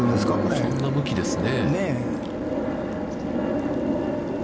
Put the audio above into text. そんな向きですね。